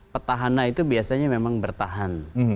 petahana itu biasanya memang bertahan